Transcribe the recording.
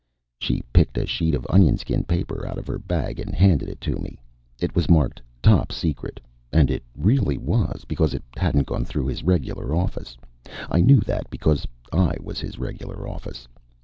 She picked a sheet of onionskin paper out of her bag and handed it to me. It was marked Top Secret, and it really was, because it hadn't gone through his regular office I knew that because I was his regular office.